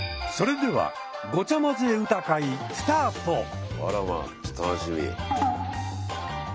それではあらまちょっと楽しみ。